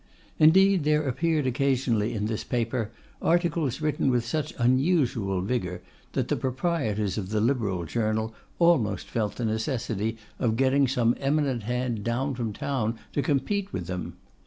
Indeed, there appeared occasionally in this paper, articles written with such unusual vigour, that the proprietors of the Liberal journal almost felt the necessity of getting some eminent hand down from town to compete with them.